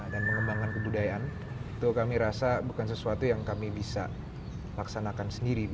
dan mengembangkan kebudayaan itu kami rasa bukan sesuatu yang kami bisa laksanakan sendiri